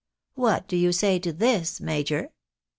What do you say to this, major